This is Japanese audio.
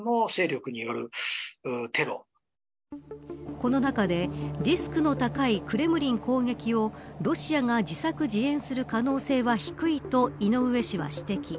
この中で、リスクの高いクレムリン攻撃をロシアが自作自演する可能性は低いと井上氏は指摘。